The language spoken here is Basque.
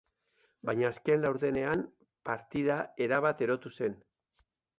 Baina azken laurdenean partida erabat erotu zen.